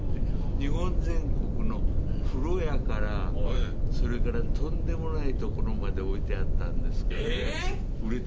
日本全国の風呂屋からそれからとんでもないところまで置いてあったんですけどね売れたんですよ。